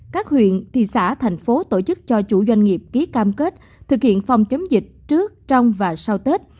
các huyện thị xã thành phố tổ chức cho chủ doanh nghiệp ký cam kết thực hiện phòng chống dịch trước trong và sau tết